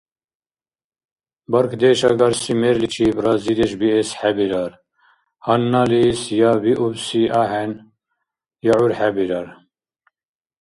Бархьдеш агарси мерличиб разидеш биэс хӀебирар, гьанналис я биубси ахӀен, я гӀур хӀебирар.